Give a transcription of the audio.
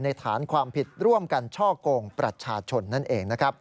ในฐานความผิดร่วมกันเชาะโกงประชาชนนั่นเอง